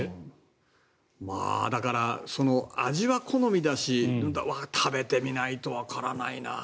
だから、味は好みだし食べてみないとわからないな。